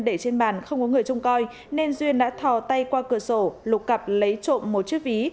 để trên bàn không có người trông coi nên duyên đã thò tay qua cửa sổ lục cặp lấy trộm một chiếc ví